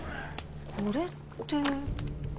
これって。